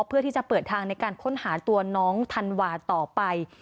เพื่อที่จะเปิดทางในการค้นหาตัวน้องธันวาต่อไป